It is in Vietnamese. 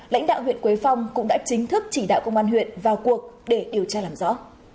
lãnh đạo huyện quế phong cũng đã chính thức chỉ đạo công an huyện vào cuộc để điều tra làm rõ